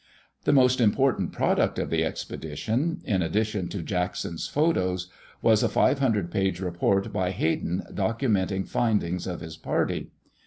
The most important product of the expedition, in addition to Jackson's photos, was a 500 page report by Hayden documenting findings of his party.